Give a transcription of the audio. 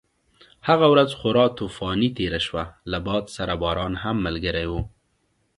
هغه ورځ خورا طوفاني تېره شوه، له باد سره باران هم ملګری و.